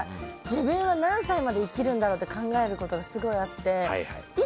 自分は何歳まで生きるんだろうって考えることはすごいあって。